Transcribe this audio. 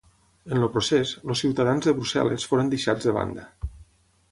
En el procés, els ciutadans de Brussel·les foren deixats de banda.